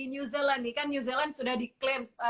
new zealand nih kan new zealand sudah diklaim